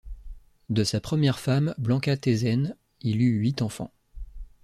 De sa première femme, Blanca Thesen, il eut huit enfants.